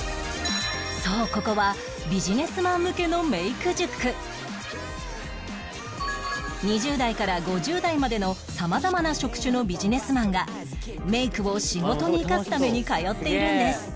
そうここは２０代から５０代までの様々な職種のビジネスマンがメイクを仕事に生かすために通っているんです